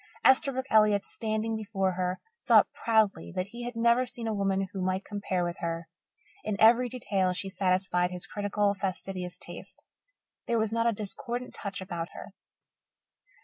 Esterbrook Elliott, standing before her, thought proudly that he had never seen a woman who might compare with her. In every detail she satisfied his critical, fastidious taste. There was not a discordant touch about her.